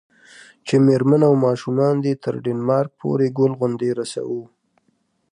چې میرمن او ماشومان دې تر ډنمارک پورې ګل غوندې رسوو.